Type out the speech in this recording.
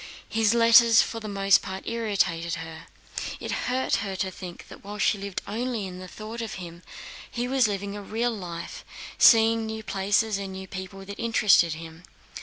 His letters for the most part irritated her. It hurt her to think that while she lived only in the thought of him, he was living a real life, seeing new places and new people that interested him.